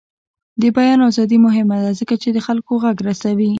د بیان ازادي مهمه ده ځکه چې د خلکو غږ رسوي.